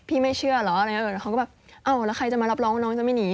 พี่ไม่เชื่อเหรอแล้วเขาก็แบบแล้วใครจะมารับรองว่าน้องจะไม่หนี